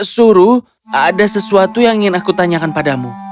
suruh ada sesuatu yang ingin aku tanyakan padamu